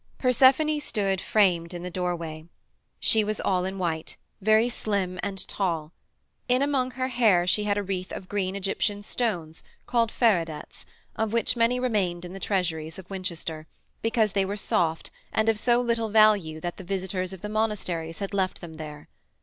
Persephone stood framed in the doorway: she was all in white, very slim and tall; in among her hair she had a wreath of green Egyptian stones called feridets, of which many remained in the treasuries of Winchester, because they were soft and of so little value that the visitors of the monasteries had left them there.